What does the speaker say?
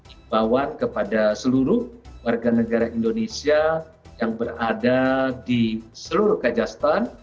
imbauan kepada seluruh warga negara indonesia yang berada di seluruh kajastan